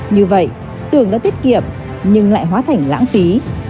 như vậy tường đã tiết kiệm nhưng lại hóa thành lãng phí